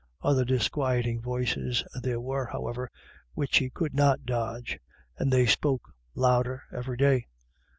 Other disquieting voices there were, however, which he could not dodge, and they spoke 403 IRISH IDYLLS. i louder every day.